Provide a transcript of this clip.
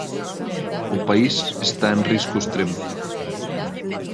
O país está en risco extremo.